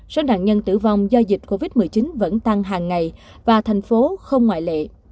số nạn nhân tử vong do dịch covid một mươi chín vẫn tăng hàng ngày và thành phố không ngoại lệ